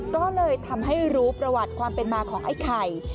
ก็เลยทำให้รู้ประวัติความเป็นมาของไอ้ไข่